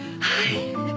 はい！